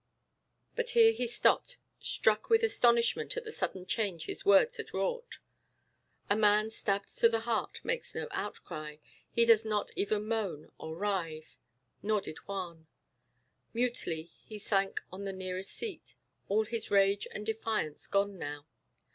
But here he stopped, struck with astonishment at the sudden change his words had wrought. A man stabbed to the heart makes no outcry, he does not even moan or writhe. Nor did Juan. Mutely he sank on the nearest seat, all his rage and defiance gone now.